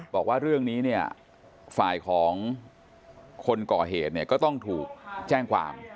บอกว่าเรื่องนี้เนี่ยฝ่ายของคนก่อเหตุเนี่ยก็ต้องถูกแจ้งความ